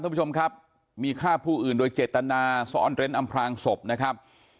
คุณผู้ชมครับมีฆ่าผู้อื่นโดยเจตนาซ่อนเร้นอำพลางศพนะครับ